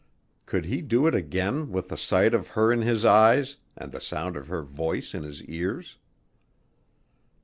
Could he do it again with the sight of her in his eyes and the sound of her voice in his ears?